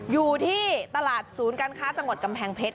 อยู่ที่ตลาดศูนย์การค้าจังหวัดกำแพงเพชร